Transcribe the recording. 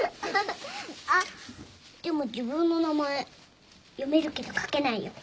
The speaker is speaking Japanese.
あっでも自分の名前読めるけど書けないよ。